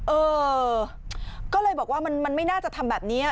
เออก็เลยบอกว่ามันไม่น่าจะทำแบบนี้